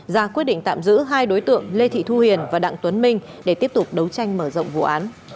ra quyết định tạm giữ hai đối tượng lê thị thu hiền và đặng tuấn minh để tiếp tục đấu tranh mở rộng vụ án